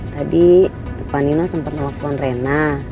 tadi pak nino sempat melakukan rena